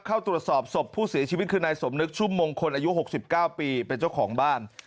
เข้าตรวจสอบศพผู้เสียชีวิตคือนายสมนึกชุ่มมงคลอายุ๖๙ปีเป็นเจ้าของบ้าน